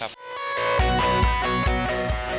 ลาบรู้พืช